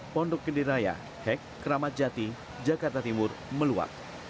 pondok kendiraya hek keramat jati jakarta timur meluat